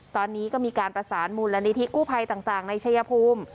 ตอนนี้ก็มีการประสานมูลนิธิกู้ภัยต่างในชายภูมิ